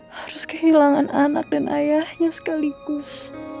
harus kehilangan anak dan ayahnya sekaligus